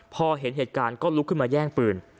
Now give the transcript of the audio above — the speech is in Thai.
พอเห็นเหตุการณ์ก็ลุกขึ้นมาแย่งปืน